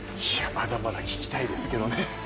まだまだ聞きたいですけどね。